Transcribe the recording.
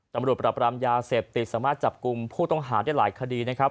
ตำรวจปรับรามยาเสพติดสามารถจับกลุ่มผู้ต้องหาได้หลายคดีนะครับ